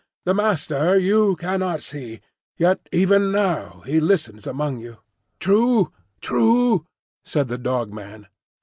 The Master you cannot see; yet even now he listens among you." "True, true!" said the Dog man.